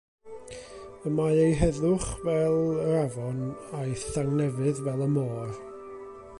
Y mae ei heddwch fel yr afon, a'i thangnefedd fel y môr.